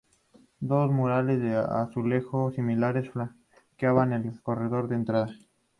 Dos murales de azulejos similares flanqueaban el corredor de entrada.